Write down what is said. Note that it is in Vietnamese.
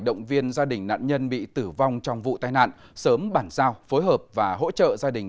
động viên gia đình nạn nhân bị tử vong trong vụ tai nạn sớm bản giao phối hợp và hỗ trợ gia đình